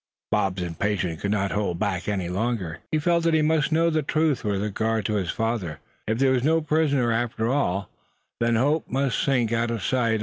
Bob's impatience could not hold back any longer. He felt that he must know the truth with regard to this fact, right away. If there was no prisoner after all, then hope must sink out of sight.